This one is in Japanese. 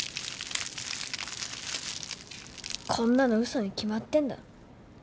こんなの嘘に決まってんだろ。